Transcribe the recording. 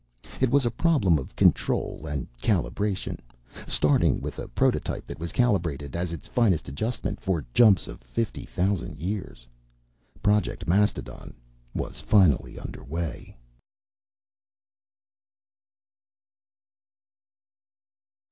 It was a problem of control and calibration starting with a prototype that was calibrated, as its finest adjustment, for jumps of 50,000 years. Project Mastodon was finally under way.